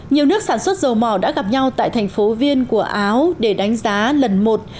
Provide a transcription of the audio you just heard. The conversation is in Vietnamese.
nhiều nước sản xuất dầu mỏ đã gặp nhau tại thành phố viên của áo để đánh giá lần một